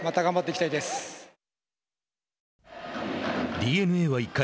ＤｅＮＡは、１回。